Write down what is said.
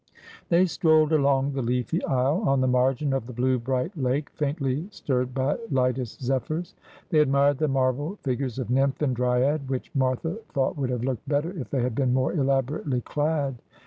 They strolled along the leafy aisle on the margin of the blue bright lake, faintly stirred by lightest zephyrs. They admired the marble figures of nymph and dryad, which Martha thought would have looked better if they had been more elaborately clad.